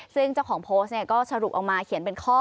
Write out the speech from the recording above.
ซึ่งเจ้าของโพสต์ก็สรุปออกมาเขียนเป็นข้อ